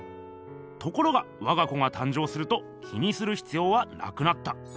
ところがわが子が誕生すると気にするひつようはなくなった。